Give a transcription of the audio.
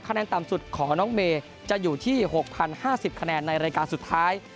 แนนต่ำสุดของน้องเมย์จะอยู่ที่๖๐๕๐คะแนนในรายการสุดท้าย